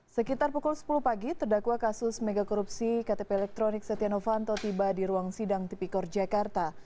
sekitar pukul sepuluh pagi terdakwa kasus mega korupsi ktp elektronik setiano vanto tiba di ruang sidang tipikor jakarta